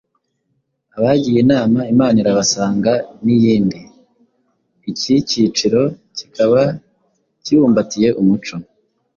Abagiye inama Imana irabasanga n’iyindi. Iki kiciro kikaba kibumbatiye umuco